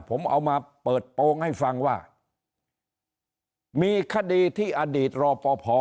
ผมเอามาเปิดโปรงให้ฟังว่ามีคดีที่อดีตรอปภ